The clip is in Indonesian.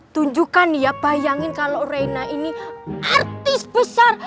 tunjukkan ya bayangin kalau reina ini artis besar